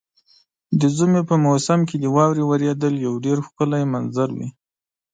د ژمي په موسم کې د واورې اورېدل یو ډېر ښکلی منظر وي.